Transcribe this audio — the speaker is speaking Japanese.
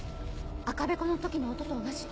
赤べこの時の音と同じ。